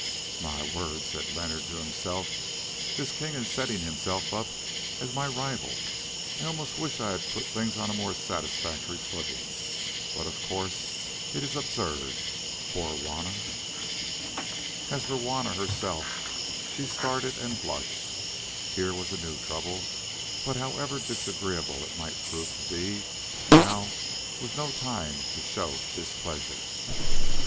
"My word!" said Leonard to himself, "this king is setting himself up as my rival. I almost wish I had put things on a more satisfactory footing; but of course it is absurd. Poor Juanna!" As for Juanna herself, she started and blushed; here was a new trouble, but however disagreeable it might prove to be, now was no time to show displeasure.